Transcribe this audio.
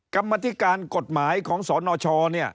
กรรมติการกฎหมายของสรนชอ